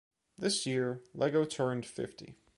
This year, Lego turned fifty.